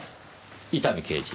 伊丹刑事。